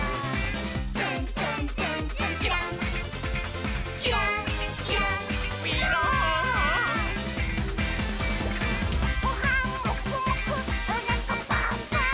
「ツンツンツンツン」「キランキランキランびろん」「ごはんモグモグ」「おなかパンパン」